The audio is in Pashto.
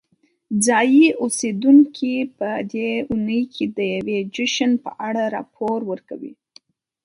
ځایی اوسیدونکي په دې اونۍ کې د یوې جشن په اړه راپور ورکوي.